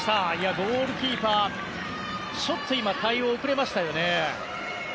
ゴールキーパーちょっと対応が遅れました。